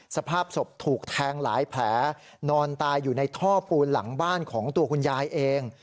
สภาพศพถูกแทงหลายแผลนอนตายอยู่ในท่อปูนหลังบ้านของตัวคุณยายเอง